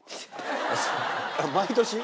毎年？